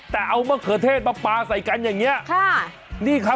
แต่เอามากเขือเทศมาปาใส่กันอย่างเนี้ยค่ะ